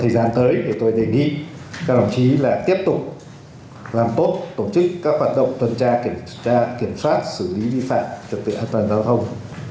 với đề nghị các đồng chí là tiếp tục làm tốt tổ chức các hoạt động tuần tra kiểm soát xử lý vi phạm chất tự an toàn giao thông